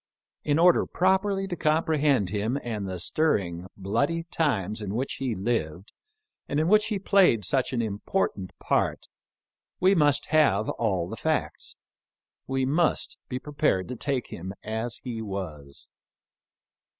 In order properly to comprehend him and the stir ring, bloody times in which he lived, and in which he played such an important part, we must have all the facts — we must be prepared to take him as he was.